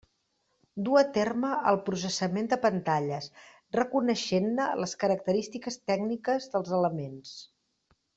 Duu a terme el processament de pantalles, reconeixent-ne les característiques tècniques dels elements.